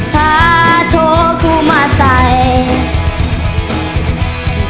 ถ้าโทรผู้มาที่นี่